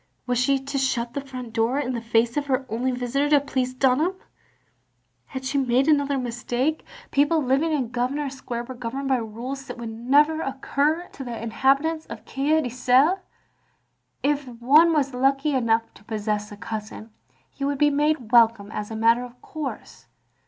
Was she to shut the front door in the face of her only visitor to please Dunham? Had she made another mistake? People living OF GROSVENOR SQUARE 1^9 in Grosvenor Square were governed by rules that would never occur to the inhabitants of Coed Ithel, where if one was lucky enough to possess a cousin, he would be made welcome as a matter of course.